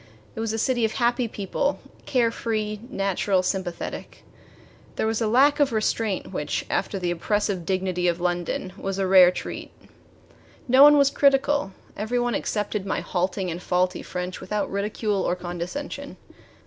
It was a city of happy people care free, natural, sympathetic. There was a lack of restraint which, after the oppressive dignity of London, was a rare treat. No one was critical. Every one accepted my halting and faulty French without ridicule or condescension.